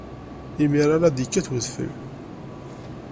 Imir-a, la d-yekkat udfel.